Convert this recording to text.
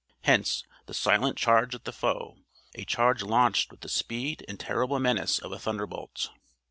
Hence the silent charge at the foe a charge launched with the speed and terrible menace of a thunderbolt.